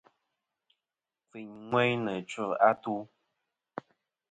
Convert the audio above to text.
Kfɨyn ŋweyn nɨ̀ ɨchɨ-atu.